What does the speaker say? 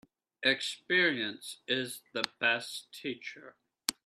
Experience is the best teacher.